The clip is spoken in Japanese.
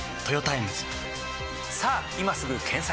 さぁ今すぐ検索！